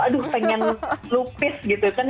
aduh pengen lupis gitu kan